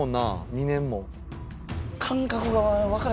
２年も。